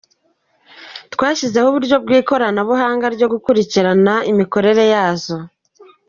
Twashyizeho n’uburyo bw’ikoranabuhanga bwo gukurikirana imikorere yazo.